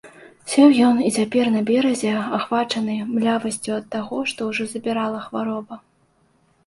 Сеў ён і цяпер на беразе, ахвачаны млявасцю ад таго, што ўжо забірала хвароба.